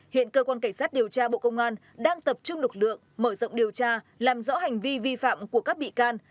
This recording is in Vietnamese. hiện cơ quan cảnh sát điều tra bộ công an đang tập trung lực lượng mở rộng điều tra làm rõ hành vi vi phạm của các bị can